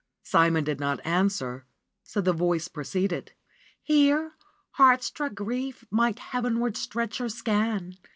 Simon did not answer, so the voice pro ceeded : ^'Here heart struck Grief might heavenward stretch her scan.